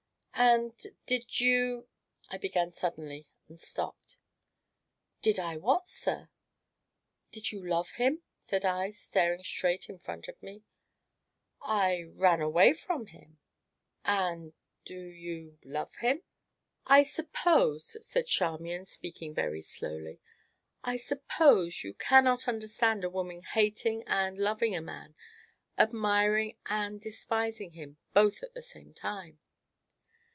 "And did you " I began suddenly, and stopped. "Did I what, sir?" "Did you love him?" said I, staring straight in front of me. "I ran away from him." "And do you love him?" "I suppose," said Charmian, speaking very slowly, "I suppose you cannot understand a woman hating and loving a man, admiring and despising him, both at the same time?"